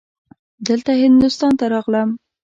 دلته هندوستان ته راغلم.